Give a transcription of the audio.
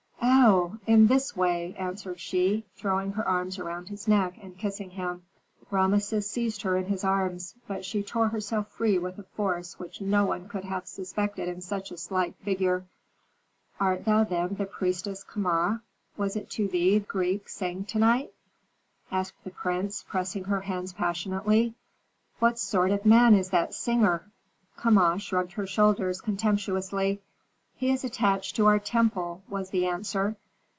"Ao! in this way," answered she, throwing her arms around his neck, and kissing him. Rameses seized her in his arms, but she tore herself free with a force which no one could have suspected in such a slight figure. "Art thou then the priestess Kama? Was it to thee that that Greek sang to night?" asked the prince, pressing her hands passionately. "What sort of man is that singer?" Kama shrugged her shoulders contemptuously. "He is attached to our temple," was the answer.